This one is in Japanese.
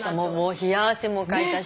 冷や汗もかいたし。